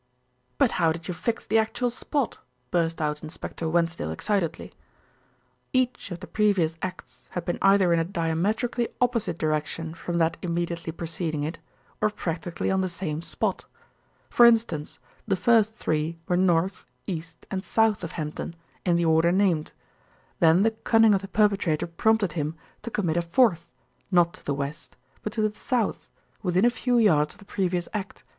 "But how did you fix the actual spot?" burst out Inspector Wensdale excitedly. "Each of the previous acts had been either in a diametrically opposite direction from that immediately preceding it, or practically on the same spot. For instance, the first three were north, east, and south of Hempdon, in the order named. Then the cunning of the perpetrator prompted him to commit a fourth, not to the west; but to the south, within a few yards of the previous act.